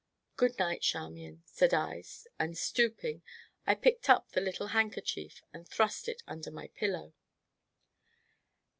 "Good night, Charmian!" said I, and stooping, I picked up the little handkerchief and thrust it under my pillow.